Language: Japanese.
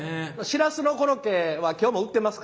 シラスのコロッケは今日も売ってますか？